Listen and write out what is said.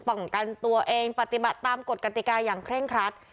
ป้องกันตัวเองปฏิบัติตามกฎกติกาอย่างเคร่งครัด